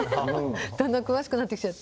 だんだん詳しくなってきちゃって。